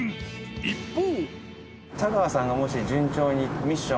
一方。